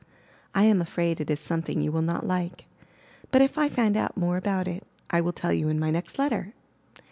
I am afraid it is something you will not like; but if I find out more about it, I will tell you in my next letter.